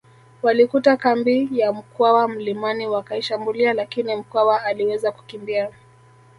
Walikuta kambi ya Mkwawa mlimani wakaishambulia lakini Mkwawa aliweza kukimbia